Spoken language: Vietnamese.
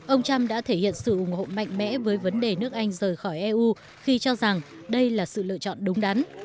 ông trump đã thể hiện sự ủng hộ mạnh mẽ với vấn đề nước anh rời khỏi eu khi cho rằng đây là sự lựa chọn đúng đắn